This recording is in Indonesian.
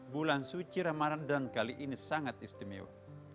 bulan suci ramadan kali ini sangat istimewa